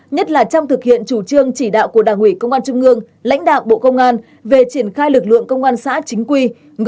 nhất là trong thực hiện chủ trương chỉ đạo của đảng ủy công an trung ương lãnh đạo bộ công an về triển khai lực lượng công an xã chính quy